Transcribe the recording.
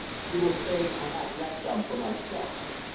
You will say I have left some for myself.